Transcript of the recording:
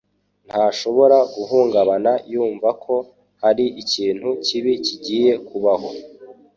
ntashobora guhungabana yumva ko hari ikintu kibi kigiye kubaho.